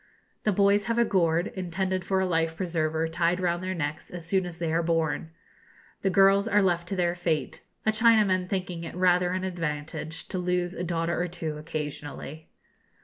The boys have a gourd, intended for a life preserver, tied round their necks as soon as they are born. The girls are left to their fate, a Chinaman thinking it rather an advantage to lose a daughter or two occasionally.